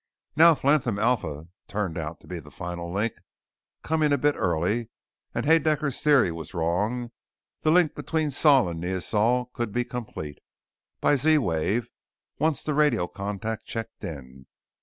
Now, if Latham Alpha turned out to be the final link, coming a bit early, and Haedaecker's Theory was wrong, the link between Sol and Neosol could be complete by Z wave once the radio contact checked in.